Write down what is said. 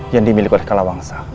yang dimiliki oleh kalawangsa